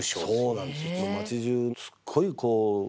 そうなんですよ。